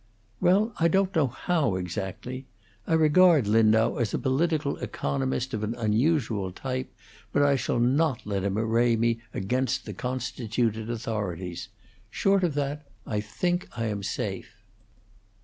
"Well, I don't know how, exactly. I regard Lindau as a political economist of an unusual type; but I shall not let him array me against the constituted authorities. Short of that, I think I am safe."